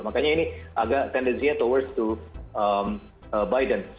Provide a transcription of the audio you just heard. makanya ini agak tendensinya towers to biden